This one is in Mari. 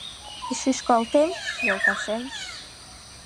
И шӱшкалтем, йолташем?